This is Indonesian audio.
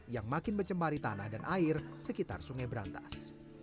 yang makin mencemari tanah dan air sekitar sungai berantas